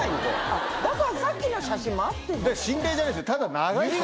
だからさっきの写真も合ってる。